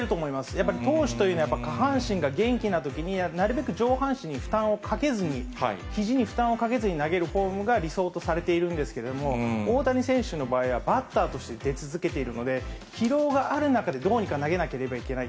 やっぱり投手というのは、下半身が元気なときに、なるべく上半身に負担をかけずに、ひじに負担をかけずに投げるフォームが理想とされているんですけれども、大谷選手の場合はバッターとして出続けているので、疲労がある中で、どうにか投げなければいけない。